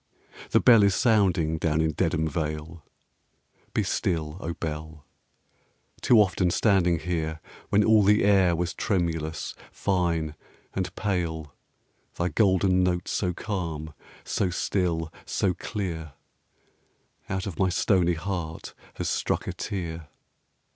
The bell is sounding down in Dedham Vale: Be still, O bell! too often standing here When all the air was tremulous, fine, and pale, Thy golden note so calm, so still, so clear, Out of my stony heart has struck a tear.